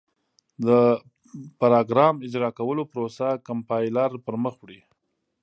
د پراګرام اجرا کولو پروسه کمپایلر پر مخ وړي.